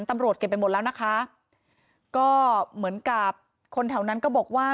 ตำรวจเก็บไปหมดแล้วนะคะก็เหมือนกับคนแถวนั้นก็บอกว่า